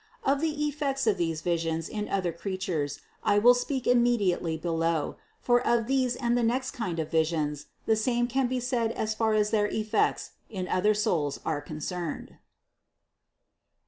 Of the effects of these visions in other creatures I will speak immediately below ; for of these and the next kind of visions, the same can be said as far as their effects in other souls are con cerned.